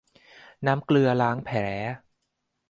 น้ำเกลือล้างแผล